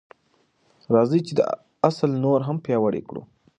راځئ چې دا اصل نور هم پیاوړی کړو.